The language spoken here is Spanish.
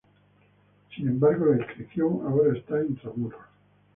Sin embargo la inscripción ahora está intramuros.